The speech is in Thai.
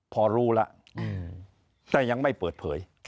พอรู้แล้วแต่ยังไม่เปิดเผย